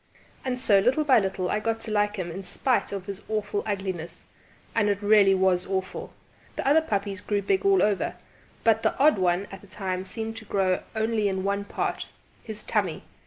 And so, little by little, I got to like him in spite of his awful ugliness. And it really was awful! The other puppies grew big all over, but the odd one at that time seemed to grow only in one part his tummy!